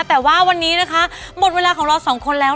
แต่ว่าวันนี้นะคะหมดเวลาของเราสองคนแล้ว